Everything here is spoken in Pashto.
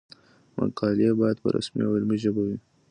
مقالې باید په رسمي او علمي ژبه وي.